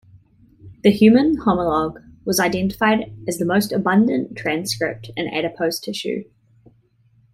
The human homologue was identified as the most abundant transcript in adipose tissue.